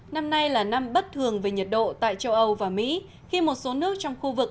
năm nay là năm bất thường về nhiệt độ tại châu âu và mỹ khi một số nước trong khu vực